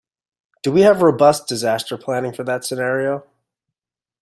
Do we have robust disaster planning for that scenario?